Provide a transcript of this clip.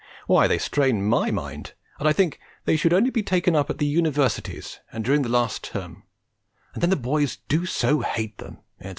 Why, they strain my mind, and I think they should only be taken up at the universities and during the last term; and then the boys do so hate them," etc.